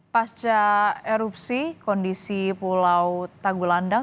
pasca erupsi kondisi pulau tanggulandang